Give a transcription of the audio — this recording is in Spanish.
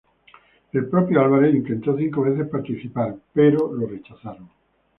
El propio Álvarez intentó cinco veces participar pero fue rechazado.